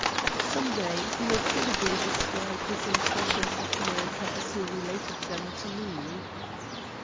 Some day he will probably describe his impressions of America as he related them to me."